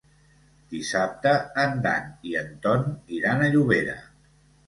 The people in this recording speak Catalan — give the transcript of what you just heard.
Dissabte en Dan i en Ton iran a Llobera.